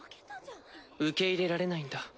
受け入れられないんだ。